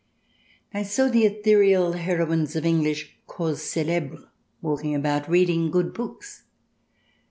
I saw ethereal heroines of English causes celebres walking about, reading good books.